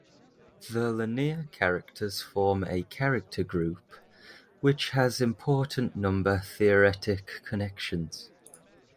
The linear characters form a character group, which has important number theoretic connections.